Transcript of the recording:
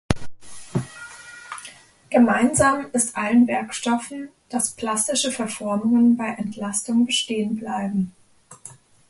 Gemeinsam ist allen Werkstoffen, dass plastische Verformungen bei Entlastung bestehen bleiben.